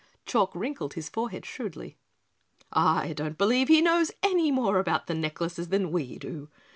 Chalk wrinkled his forehead shrewdly. "I don't believe he knows any more about the necklaces than we do.